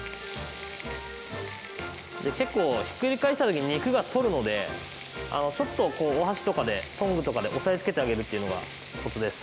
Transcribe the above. で結構ひっくり返した時に肉が反るのでちょっとこうお箸とかでトングとかで押さえつけてあげるっていうのがコツです。